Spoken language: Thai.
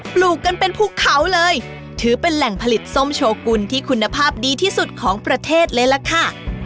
ลูกกันเป็นภูเขาเลยถือเป็นแหล่งผลิตส้มโชกุลที่คุณภาพดีที่สุดของประเทศเลยล่ะค่ะ